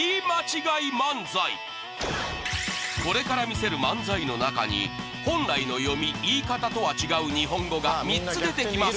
これから見せる漫才の中に本来の読み・言い方とは違う日本語が３つ出てきます！